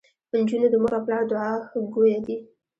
انجونو د مور او پلار دوعاګويه دي.